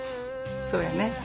そうやね。